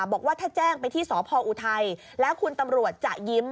บอกว่าถ้าแจ้งไปที่สพออุทัยแล้วคุณตำรวจจะยิ้ม